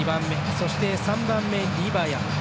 そして、３番目、リバヤ